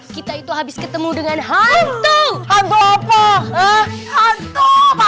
kita itu habis ketemu dengan hantu hantu apa hantu